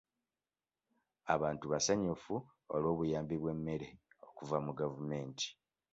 Abantu basanyufu olw'obuyambi bw'emmere okuva mu gavumenti.